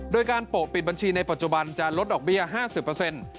โดยการโปปิดบัญชีในปัจจุบันจะลดดอกเบี้ยห้าสิบเปอร์เซ็นต์